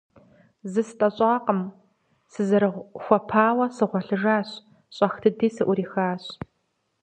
ЗыстӀэщӀакъым, сызэрыхуэпауэ сыгъуэлъыжащ, щӀэх дыди сыӀурихащ.